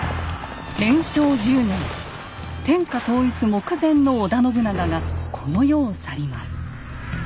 天下統一目前の織田信長がこの世を去ります。